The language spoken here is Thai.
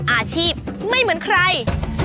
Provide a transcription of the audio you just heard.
อาชีพไม่เหมือนใคร